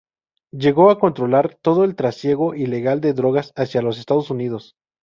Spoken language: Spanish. Llegó a controlar todo el trasiego ilegal de drogas hacia los Estados Unidos.